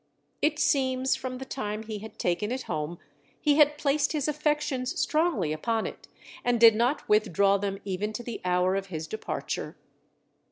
It seems from the time he had taken it home he had placed his affections strongly upon it, and did not withdraw them even to the hour of his departure.